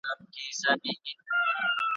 سمدستي یې کړه ور پرې غاړه په توره `